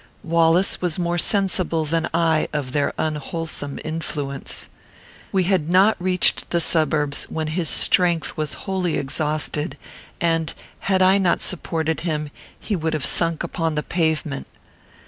Wallace was more sensible than I of their unwholesome influence. We had not reached the suburbs, when his strength was wholly exhausted, and, had I not supported him, he would have sunk upon the pavement.